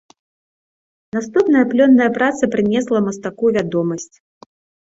Наступная плённая праца прынесла мастаку вядомасць.